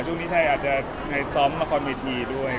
ช่วงนี้ชัยอาจจะรายซ้อมประคุณวีทีด้วย